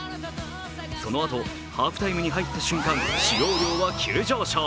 そのあと、ハーフタイムに入った瞬間、使用量が急上昇。